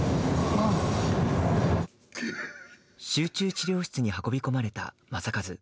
集中治療室に運び込まれた正一。